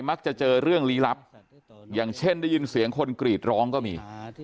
มักจะเจอเรื่องลี้ลับอย่างเช่นได้ยินเสียงคนกรีดร้องก็มี